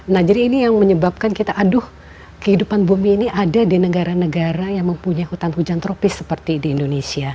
nah jadi ini yang menyebabkan kita aduh kehidupan bumi ini ada di negara negara yang mempunyai hutan hujan tropis seperti di indonesia